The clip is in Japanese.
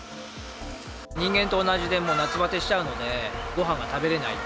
人間と同じでもう夏バテしちゃうので、ごはんが食べれない。